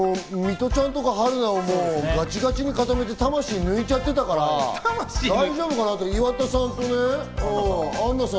ミトちゃんとか春菜をガチガチに固めて魂抜いちゃってたから、大丈夫かなって岩田さんとアンナさん